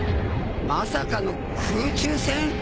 まさかの空中戦！？